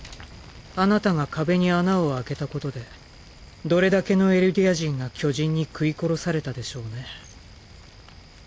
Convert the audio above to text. あなたが壁に穴をあけたことでどれだけのエルディア人が巨人に食い殺されたでしょうね。